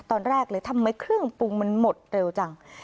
ตอนแรกเลยทำไมเครื่องปรุงมันหมดเร็วจัง